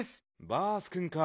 バースくんか。